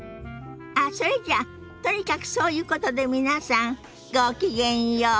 あっそれじゃとにかくそういうことで皆さんごきげんよう。